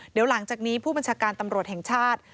เดี๋ยวหลังจากนี้ผู้บัญชาการตำรวจแห่งชาติ